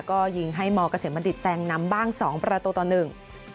ก็ยิงให้มกบแซงนำบ้าง๒ประตูตนึง